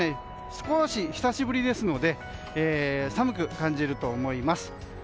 少し久しぶりですので寒く感じると思います。